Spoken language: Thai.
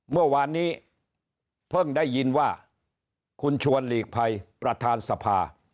เมื่อวานนี้เพิ่งได้ยินว่าคุณชวนหลีกภัยประธานสภา